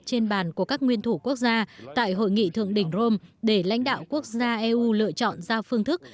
trên bàn của các nguyên thủ quốc gia tại hội nghị thượng đỉnh rome để lãnh đạo quốc gia eu lựa chọn ra phương thức